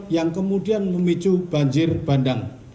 yang kemudian memicu banjir bandang